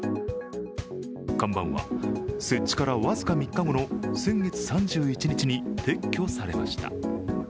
看板は設置から僅か３日後の先月３１日に撤去されました。